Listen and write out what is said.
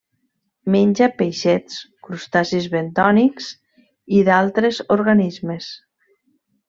Menja peixets, crustacis bentònics i d'altres organismes.